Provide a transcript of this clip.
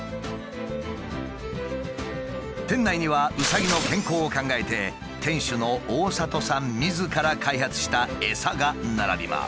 店内にはうさぎの健康を考えて店主の大里さんみずから開発したエサが並びます。